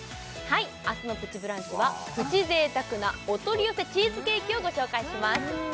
明日の「プチブランチ」はプチ贅沢なお取り寄せチーズケーキをご紹介します